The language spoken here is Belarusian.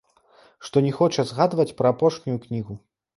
Што не хоча згадваць пра апошнюю кнігу.